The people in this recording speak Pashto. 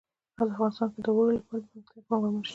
افغانستان کې د اوړي لپاره دپرمختیا پروګرامونه شته.